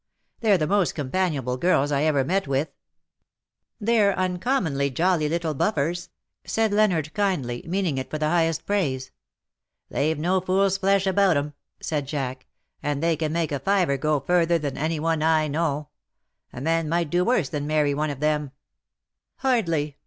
They're the most companionable girls I ever met with \"" They're uncommonly jolly little buflPers !" said Leonard, kindly, meaning it for the highest praise. " They've no fool's flesh about them," said Jack ;^^ and they can make a fiver go further than any one THAT THE DAY WILL END." 233 I know. A man might do worse than marry one of them/' ^^ Hardly